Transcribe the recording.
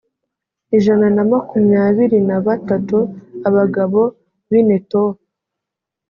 ijana na makumyabiri na batatu abagabo b i netofa